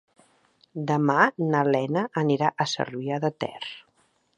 Demà na Lena anirà a Cervià de Ter.